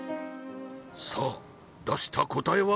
さあ出した答えは？